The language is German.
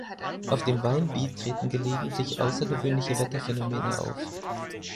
Auf dem Weinbiet treten gelegentlich außergewöhnliche Wetterphänomene auf.